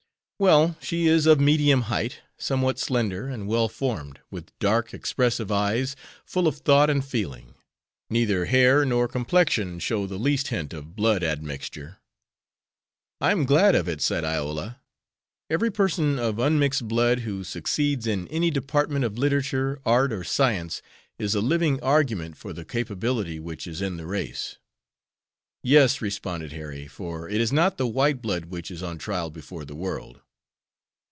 "Well, she is of medium height, somewhat slender, and well formed, with dark, expressive eyes, full of thought and feeling. Neither hair nor complexion show the least hint of blood admixture." "I am glad of it," said Iola. "Every person of unmixed blood who succeeds in any department of literature, art, or science is a living argument for the capability which is in the race." "Yes," responded Harry, "for it is not the white blood which is on trial before the world.